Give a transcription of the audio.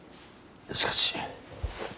しかし。